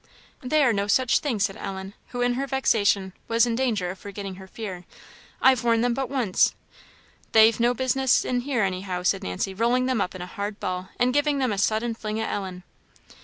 "They are no such thing," said Ellen, who, in her vexation, was in danger of forgetting her fear "I've worn them but once." "They've no business in here, anyhow," said Nancy, rolling them up in a hard ball and giving them a sudden fling at Ellen.